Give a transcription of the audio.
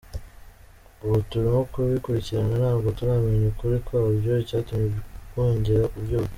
Ubu turimo kubikurikirana ntabwo turamenya ukuri kwabyo, icyatumye byongera kubyuka.